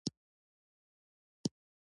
درس او تعليم دى.